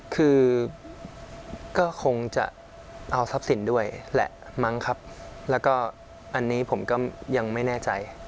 คือก็คงจะเอาทรัพย์สินด้วยแหละมั้งครับแล้วก็อันนี้ผมก็ยังไม่แน่ใจ